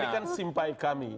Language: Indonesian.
ini kan simpai kami